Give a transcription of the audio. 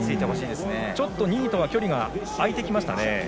ちょっと２位とは距離が開いてきました。